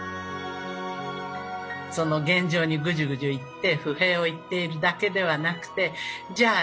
その現状にぐじゅぐじゅ言って不平を言っているだけではなくてじゃあ